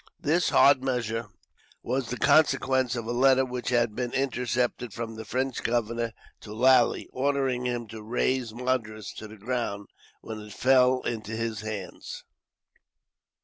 This hard measure was the consequence of a letter which had been intercepted, from the French government to Lally, ordering him to raze Madras to the ground, when it fell into his hands.